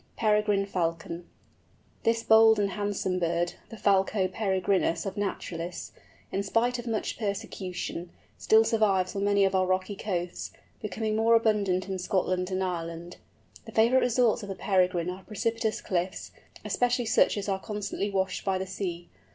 PEREGRINE FALCON. This bold and handsome bird, the Falco peregrinus of naturalists, in spite of much persecution, still survives on many of our rocky coasts, becoming most abundant in Scotland and Ireland. The favourite resorts of the Peregrine are precipitous cliffs, especially such as are constantly washed by the sea.